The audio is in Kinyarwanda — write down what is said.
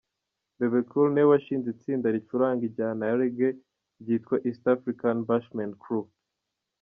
Bebe Cool niwe washinze itsinda ricuranga injyana ya Raggae ryitwa East African Bashment Crew.